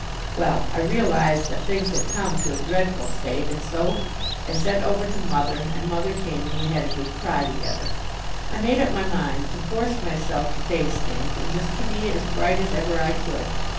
Well, I realized that things had come to a dreadful state, and so I sent over to Mother, and Mother came, and we had a good cry together. I made up my mind to force myself to face things and just to be as bright as ever I could.